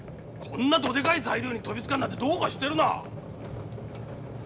こんなどでかい材料に飛びつかんなんてどうかしてるな！